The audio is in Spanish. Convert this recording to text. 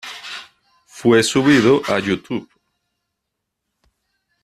Fue subido a YouTube.